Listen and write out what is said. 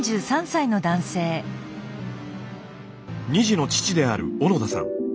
２児の父である小野田さん。